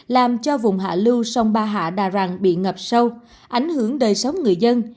làm cho vùng hạ lưu sông ba hạ đà rằng bị ngập sâu ảnh hưởng đời sống người dân